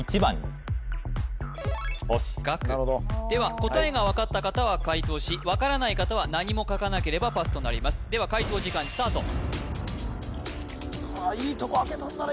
おしっ「学」では答えが分かった方は解答し分からない方は何も書かなければパスとなりますでは解答時間スタートいいとこ開けたんだな